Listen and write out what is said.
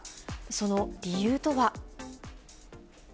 その理由とは。